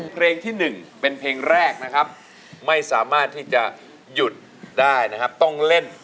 เพลงที่๑เป็นเพลงแรกนะครับไม่สามารถที่จะหยุดได้นะครับต้องเล่น